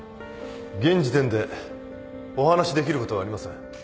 現時点でお話しできることはありません。